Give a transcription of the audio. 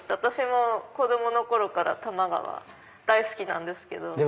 私も子供の頃から多摩川大好きなんですけど。